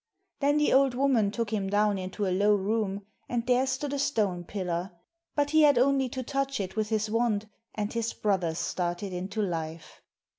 Then the old woman took him down into a low room, and there stood a stone pillar ; but he had only to touch it with his wand, and his brother started into life.